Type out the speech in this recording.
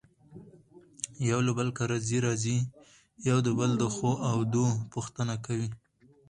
يو له بل کره ځي راځي يو د بل دښو او دو پوښنته کوي.